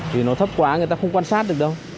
thì nó thấp quá người ta không quan sát được đâu